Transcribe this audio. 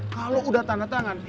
kalau udah tanda tangan